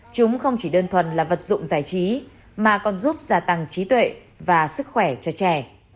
chúng không chỉ đơn thuần là vật dụng giải trí mà còn giúp gia tăng trí tuệ và sức khỏe cho trẻ